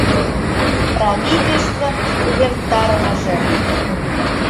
— Правительствын увертарымыже!